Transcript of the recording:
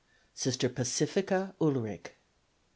Sister Pacifica Ulrich.